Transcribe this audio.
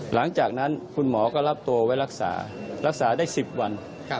หลังจากนั้นคุณหมอก็รับตัวไว้รักษารักษาได้๑๐วัน